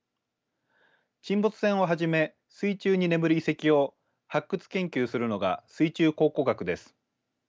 沈没船をはじめ水中に眠る遺跡を発掘・研究するのが水中考古学です。